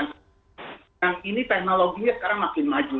nah ini teknologinya sekarang makin maju